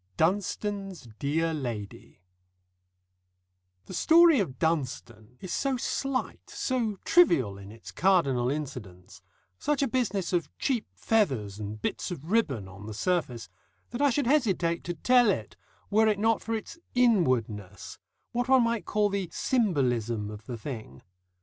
DUNSTONE'S DEAR LADY The story of Dunstone is so slight, so trivial in its cardinal incidents, such a business of cheap feathers and bits of ribbon on the surface, that I should hesitate to tell it, were it not for its Inwardness, what one might call the symbolism of the thing.